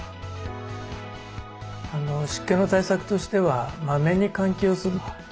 湿気の対策としてはマメに換気をすると。